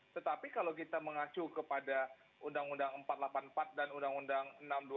tetapi kalau kita mengacu kepada undang undang empat ratus delapan puluh empat dan undang undang enam dua ribu